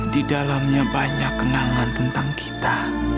di dalamnya banyak kenangan tentang kita